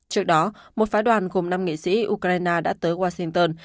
trước đó một phái đoàn gồm năm nghị sĩ ukraine đã tới washington